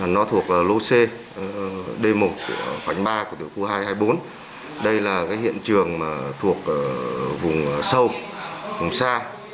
nó thuộc lỗ c đề một khoảnh ba của tiểu khu hai trăm hai mươi bốn đây là hiện trường thuộc vùng sâu vùng xa